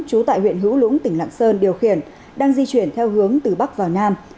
trú tại huyện hữu lũng tỉnh lạng sơn điều khiển đang di chuyển theo hướng từ bắc vào nam